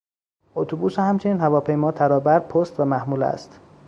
اتوبوس و همچنین هواپیما ترابر پست و محموله است.